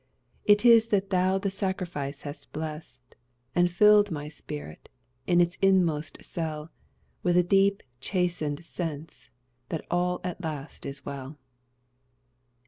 It is that Thou the sacrifice hast blessed, And filled my spirit, in its inmost cell, With a deep chastened sense that all at last is well."